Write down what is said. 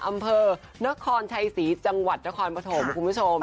อำเภอนครชัยศรีจังหวัดนครปฐมคุณผู้ชม